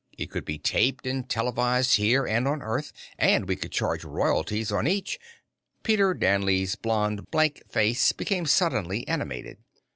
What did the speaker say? It could be taped and televised here and on Earth, and we could charge royalties on each " Peter Danley's blond, blank face became suddenly animated.